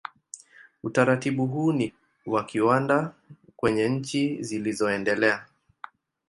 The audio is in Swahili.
Utaratibu huu ni wa kawaida kwenye nchi zilizoendelea.